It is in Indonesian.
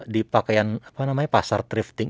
di pakaian pasar thrifting